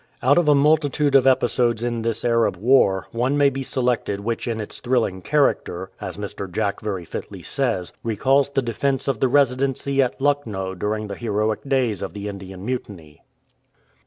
Out of a multitude of episodes in this Arab war one may be selected which in its thrilling character, as Mr. Jack very fitly says, recalls the defence of the Residency at Lucknow during the heroic days of the Indian Mutiny.